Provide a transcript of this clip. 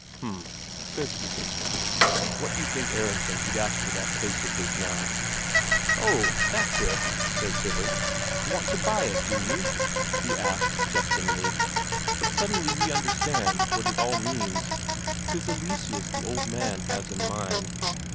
"H'm," says Isak. "What you think Aronsen he'd ask for that place of his now?" "Ho, that's it!" says Sivert. "Want to buy it, do you?" he asks jestingly. But suddenly he understands what it all means: 'tis Eleseus the old man has in mind.